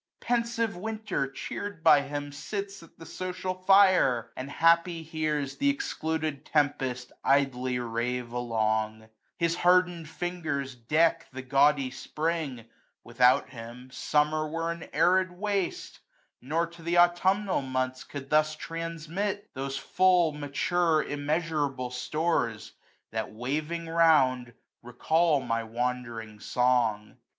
Pensive Winter cheer'd by him Sits at the social fire, and happy hears Th' excluded tempest idly rave along ; 145 His hardened fingers deck the gaudy Spring ; Without him Summer were an arid waste ; ^or to th' Autumnal months could thus transmit Those full, mature, immeasurable stores, TTiat, wavhig round, recall my wanderii^ song.